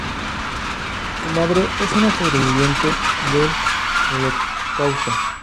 Su madre es una sobreviviente del Holocausto.